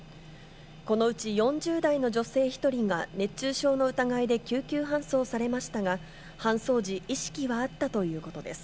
このうち４０代の女性１人が熱中症の疑いで救急搬送されましたが、搬送時、意識はあったということです。